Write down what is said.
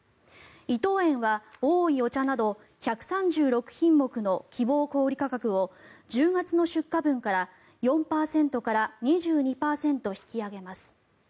伊藤園は、おいお茶など１３６品目の希望小売価格を１０月の出荷分から４％から２２％引き上げます。